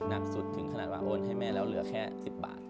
หนักสุดถึงขนาดว่าโอนให้แม่แล้วเหลือแค่๑๐บาท